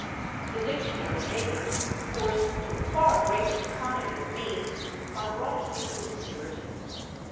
The dictionary makers, forced to a far greater economy of means, are brought into obscurity.